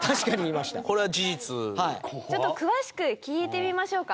ちょっと詳しく聞いてみましょうか。